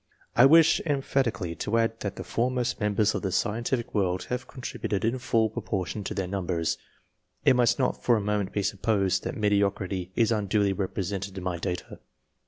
I wish emphatically to add that the foremost members of the scientific world have contributed in full proportion to their numbers. It must not for a moment be supposed that mediocrity is unduly represented in my data.